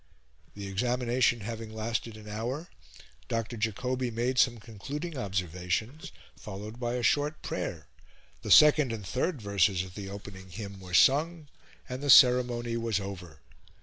The examination having lasted an hour, Dr. Jacobi made some concluding observations, followed by a short prayer; the second and third verses of the opening hymn were sung; and the ceremony was over.